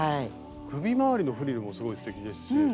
首回りのフリルもすごいすてきですし。